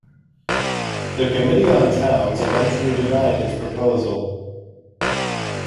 The Committee on Towns eventually denied his proposal.